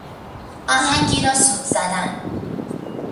آهنگی را سوت زدن